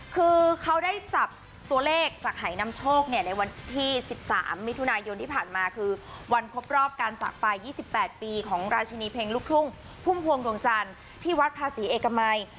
คือเขาได้จับตัวเลขจากหายนำโชคในวันที่๑๓มิถุนายนที่ผ่านมาคือวันครบรอบการจากไป๒๘ปีของราชินีเพลงลูกทุ่งพุ่มพวงดวงจันทร์ที่วัดภาษีเอกมัย